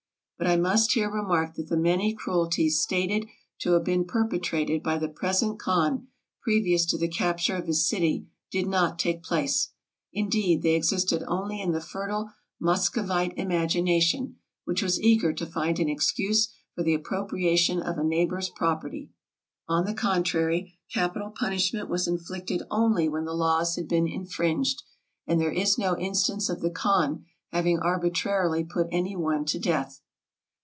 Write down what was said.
But I must here remark that the many cruel ties stated to have been perpetrated by the present khan previous to the capture of his city did not take place. In deed, they existed only in the fertile Muscovite imagination, which was eager to find an excuse for the appropriation of a neighbor's property. On the contrary, capital punishment was inflicted only when the laws had been infringed ; and there is no instance of the khan having arbitrarily put any one to death.